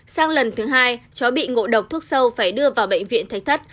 sau lần thứ hai cháu bị ngộ độc thuốc sâu phải đưa vào bệnh viện thách thất